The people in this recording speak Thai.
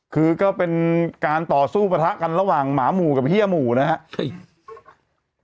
คือก็เป็นการต่อสู้ประทะกันระหว่างหมาหมู่กับเฮียหมู่นะครับ